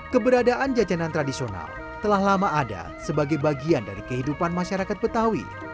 keberadaan jajanan tradisional telah lama ada sebagai bagian dari kehidupan masyarakat betawi